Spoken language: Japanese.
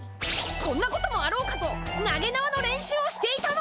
こんなこともあろうかと投げなわの練習をしていたのです。